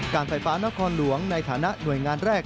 การไฟฟ้านครหลวงในฐานะหน่วยงานแรก